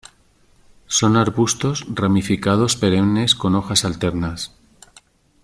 Son arbustos ramificados perennes con hojas alternas.